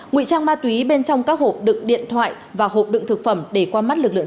nguy trang ma túy bên trong các hộp đựng điện thoại và hộp đựng thực phẩm để qua mắt lực lượng